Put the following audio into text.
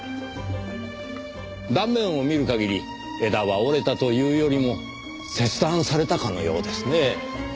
断面を見る限り枝は折れたというよりも切断されたかのようですね。